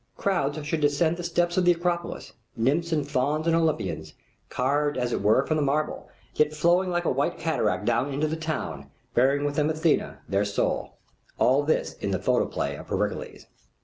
Crowds should descend the steps of the Acropolis, nymphs and fauns and Olympians, carved as it were from the marble, yet flowing like a white cataract down into the town, bearing with them Athena, their soul. All this in the Photoplay of Pericles.